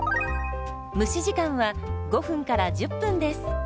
蒸し時間は５１０分です。